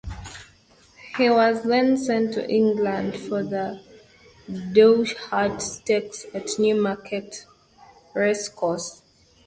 He was then sent to England for the Dewhurst Stakes at Newmarket Racecourse.